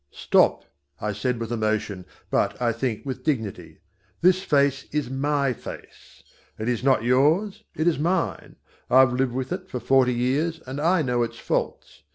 "Stop," I said with emotion but, I think, with dignity. "This face is my face. It is not yours, it is mine. I've lived with it for forty years and I know its faults.